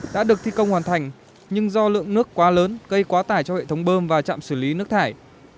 đã được thi công hoàn thành nhưng do lượng nước quá lớn gây quá tải cho hệ thống bơm và chạm xử lý nước thải